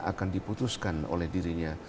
akan diputuskan oleh dirinya